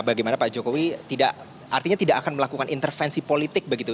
bagaimana pak jokowi artinya tidak akan melakukan intervensi politik begitu